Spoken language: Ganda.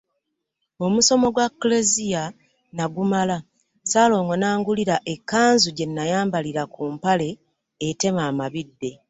Omusomo gwa Klezia nagumala Ssaalongo n’angulira ekkanzu gye nayambalira ku mpale etema amabidde.